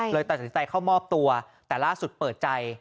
เลยตัดสินใจเข้ามอบตัวแต่ล่าสุดเปิดใจ